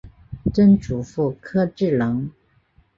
曾祖父柯志仁。